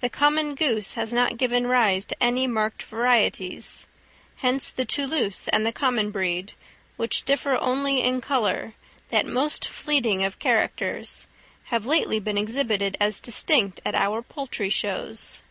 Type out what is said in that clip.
The common goose has not given rise to any marked varieties; hence the Toulouse and the common breed, which differ only in colour, that most fleeting of characters, have lately been exhibited as distinct at our poultry shows.